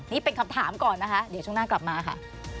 นี่เป็นคำถามก่อนนะคะเดี๋ยวช่วงหน้ากลับมาค่ะ